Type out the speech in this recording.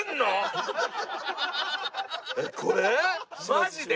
マジで！？